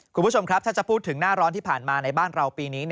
คุณผู้ชมครับถ้าจะพูดถึงหน้าร้อนที่ผ่านมาในบ้านเราปีนี้